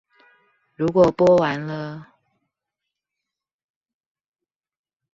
如果播完了